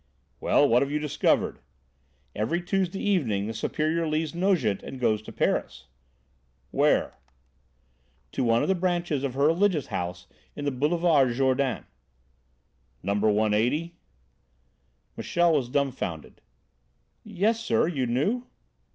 "Well, what have you discovered?" "Every Tuesday evening the Superior leaves Nogent and goes to Paris." "Where?" "To one of the branches of her religious house in the Boulevard Jourdan." "No. 180?" Michel was dumbfounded. "Yes, sir, you knew?"